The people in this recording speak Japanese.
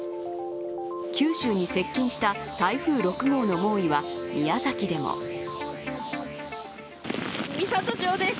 九州に接近した台風６号の猛威は宮崎でも美郷町です。